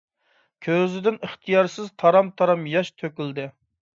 كۆزىدىن ئىختىيارسىز تارام - تارام ياش تۆكۈلدى.